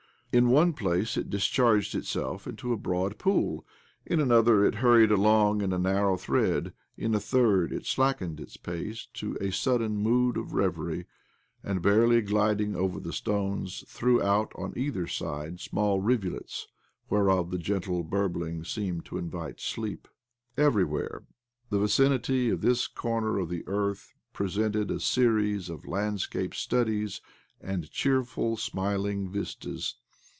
In one place it discharged itself OBLOMOV 75 into a broad pool, in another it hurried along in a narrow thread, in a third it slackened its pace to a sudden mood of reverie, and, barely gliding over the stones, threw out on either side small rivulets whereof the gentle burbling seemed to invite sleep. Every where the vicinity of this corner of the earth presented a series of landscape studies and cheerful, smiling vistas.